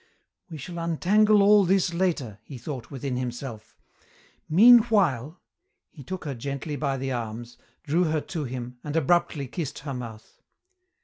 "We shall untangle all this later," he thought within himself, "meanwhile " He took her gently by the arms, drew her to him and abruptly kissed her mouth.